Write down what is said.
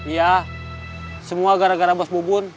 iya semua gara gara bos bobon